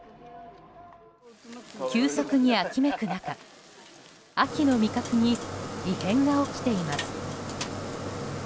急速に秋めく中秋の味覚に異変が起きています。